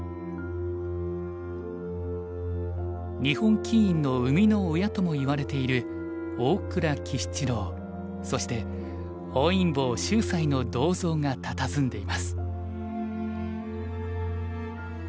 日本棋院の生みの親ともいわれている大倉喜七郎そして本因坊秀哉の銅像がたたずんでいます。